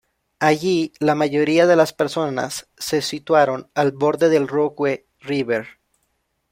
Allí la mayoría de las personas se situaron al borde del Rogue River.